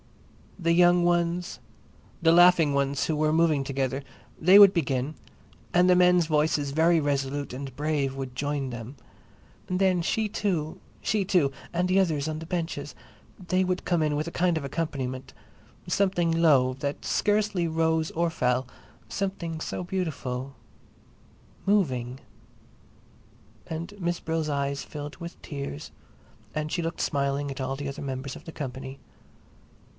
The young ones, the laughing ones who were moving together, they would begin, and the men's voices, very resolute and brave, would join them. And then she too, she too, and the others on the benches—they would come in with a kind of accompaniment—something low, that scarcely rose or fell, something so beautiful—moving.... And Miss Brill's eyes filled with tears and she looked smiling at all the other members of the company.